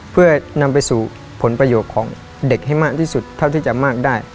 เพื่อนำไปสู่ผลประโยชน์ของเด็กให้มากที่สุดเท่าที่จะมากได้